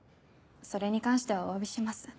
それに関してはおわびします。